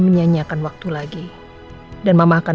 menyanyiakan waktu lagi dan mama akan